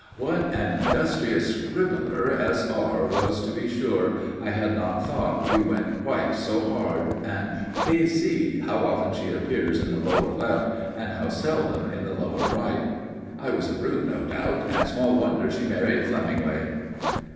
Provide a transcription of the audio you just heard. (What an industrious scribbler "S.R." was to be sure! I had not thought we went it quite so hard and "K.C." how often she appears in the lower left, and how seldom in the lower right! I was a brute, no doubt, and small wonder she married Flemingway!)